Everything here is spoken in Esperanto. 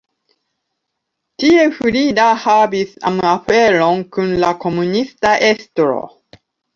Tie Frida havis amaferon kun la komunista estro.